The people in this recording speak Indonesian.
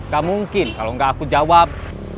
gak mungkin kalau nggak aku jawab